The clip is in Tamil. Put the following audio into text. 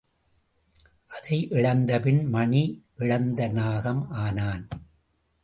அதை இழந்தபின் மணி இழந்த நாகம் ஆனான்.